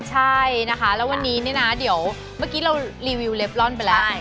ใช่นะคะแล้ววันนี้เนี่ยนะเดี๋ยวเมื่อกี้เรารีวิวเล็บร่อนไปแล้ว